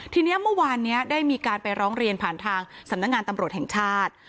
ทีนี้เมื่อวานนี้ได้มีการไปร้องเรียนผ่านทางสำนักงานตำรวจแห่งชาติ